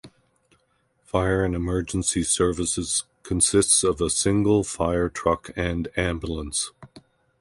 Fire and emergencies services consists of a single fire truck and ambulance.